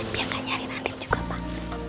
biar gak nyarin andin juga pak